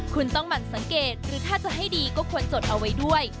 คุณต้องหมั่นสังเกตหรือถ้าจะให้ดีก็ควรจดเอาไว้ด้วย